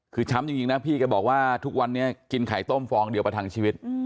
คือช้ำจริงนะพี่แกบอกว่าทุกวันนี้กินไข่ต้มฟองเดียวประทังชีวิต